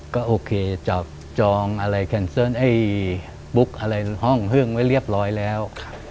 ก็โอเคจับจองปุ๊กห้องเครื่องไว้เรียบร้อยแล้ว